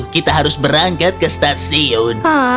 kita harus berangkat ke stasiun